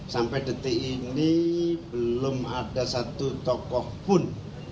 sampai detik ini belum ada satu tokoh pun